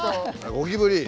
ゴキブリ。